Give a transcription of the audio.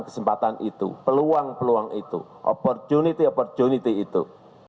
kesempatan itu peluang peluang itu opportunity opportunity itu